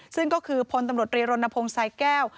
ซึ่งก็คือพลตำรวจรีรณพงศ์สายแก้ว